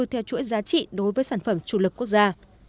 theo chuỗi giá trị đối với sản phẩm chủ lực quốc gia